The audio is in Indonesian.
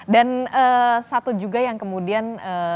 dan satu juga yang kemudian